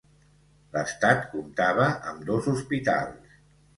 L'estat comptava amb dos hospitals.